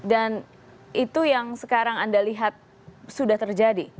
dan itu yang sekarang anda lihat sudah terjadi